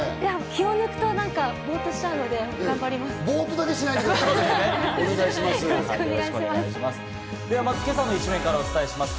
気を抜くとボっとしちゃうので頑張ります。